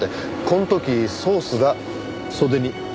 この時ソースが袖に付着した。